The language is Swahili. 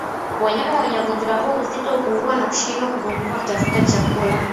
Wanyama wenye ugonjwa huu uzito hupungua kwa kushindwa kuzunguka kutafuta chakula